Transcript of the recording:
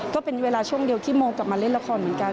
ก็เป็นเวลาช่วงเดียวที่โมกลับมาเล่นละครเหมือนกัน